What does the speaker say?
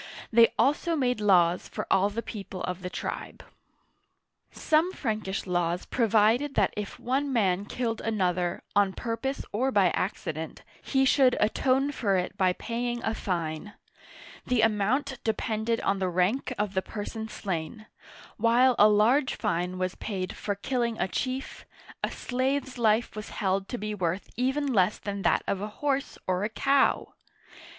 They also made laws for all the people of the tribe. Some Frankish laws provided that if one man killed an other, on purpose or by accident, he should atone for it by paying a fine. The amount depended on the rank of the person slain ; while a large fine was paid for killing a chief, a slave's life was held to be worth even less than that of a horse or a cow